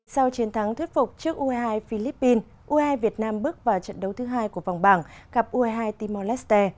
sau chiến thắng thuyết phục trước ue hai philippines ue hai việt nam bước vào trận đấu thứ hai của vòng bảng gặp ue hai timor leste